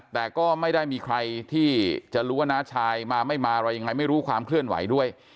แต่ก็ไม่ได้มีใครที่จะรู้ว่าน้าชายมาไม่มาอะไรยังไงไม่รู้ความเคลื่อนไหวด้วย